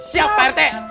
siap pak r t